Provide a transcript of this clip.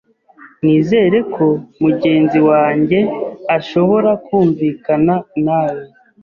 Nizere ko mugenzi wanjye ashobora kumvikana nawe.